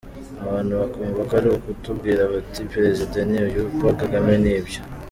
Abantu bakumva ko ari ukutubwira bati Perezida ni uyu “Paul Kagame” ni ibyo.